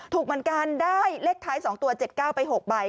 ถูกเหมือนกันได้เลขท้าย๒ตัว๗๙ไป๖ใบ